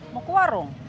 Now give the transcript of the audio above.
mau ke warung